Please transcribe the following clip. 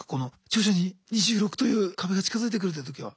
徐々に２６という壁が近づいてくるっていう時は。